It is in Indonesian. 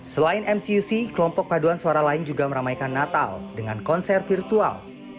selain mcuc kelompok paduan suara lain juga meramaikan natal dengan konser virtual